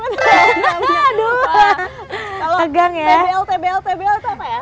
tbl tbl tbl itu apa ya